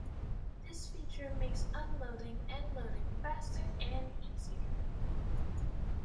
This feature makes unloading and loading faster and easier.